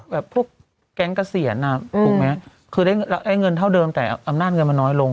แบบพวกแก๊งเกษียณถูกไหมคือได้เงินเท่าเดิมแต่อำนาจเงินมันน้อยลง